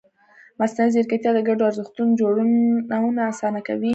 مصنوعي ځیرکتیا د ګډو ارزښتونو جوړونه اسانه کوي.